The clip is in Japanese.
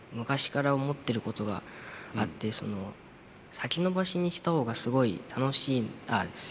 先延ばしにした方がすごい楽しいんですよ。